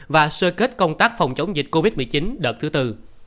và sơ kết công tác phòng chống dịch covid một mươi chín đợt thứ tư